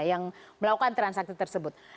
yang melakukan transaksi tersebut